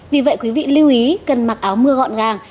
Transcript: vì vậy quý vị lưu ý cần mặc áo mưa gọn gàng